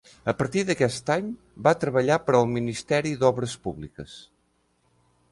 A partir d'aquest any va treballar per al Ministeri d'Obres Públiques.